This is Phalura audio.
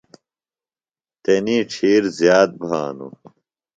تنی ڇِھیر زِیات بھانوۡ۔